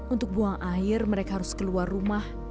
untuk buang air mereka harus keluar rumah